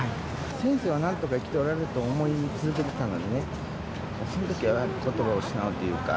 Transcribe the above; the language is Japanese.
先生はなんとか生きておられると思い続けていたのでね、そのときはちょっとことばを失うというか。